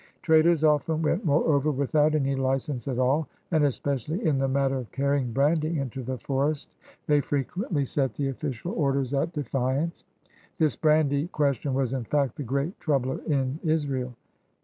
Traders often went, moreover, without any license at all, and especially in the matter of carrying brandy into the forest they frequently set the official orders at defiance. THE COUREURS DE BOIS 178 This brandy question was, in fact, the great troubler in Israel.